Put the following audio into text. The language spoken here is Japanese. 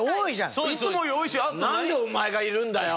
なんでお前がいるんだよ！